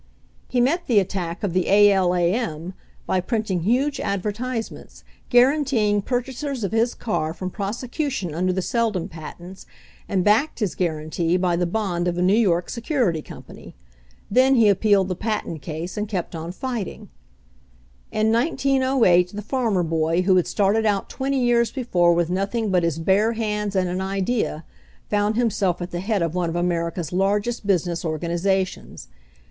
He met the attack of the A. L. A. M. by print ing huge advertisements guaranteeing purchasers of his cars from prosecution under the Seldon patents, and backed his guarantee by the bond of a New York security company. Then he ap pealed the patent case and kept on fighting. In 1908 the farmer boy who had started out twenty years before with nothing but his bare hands and an idea found himself at the head of one of America's largest business organizations.